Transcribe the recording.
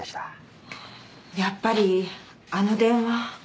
やっぱりあの電話。